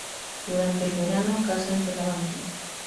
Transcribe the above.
Durante el verano caza entre la banquisa.